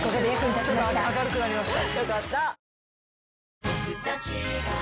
ちょっと明るくなりました。